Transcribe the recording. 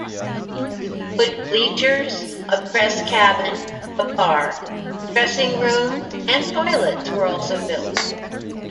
Wood bleachers, a press cabin, a bar, dressing-rooms and toilets were also built.